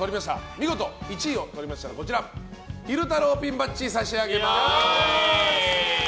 見事１位をとりましたら昼太郎ピンバッジを差し上げます。